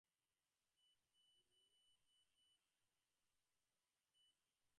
আমরা ঠাকুরে ঐরূপ প্রত্যক্ষ দেখেছি।